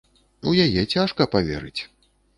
У яе цяжка паверыць.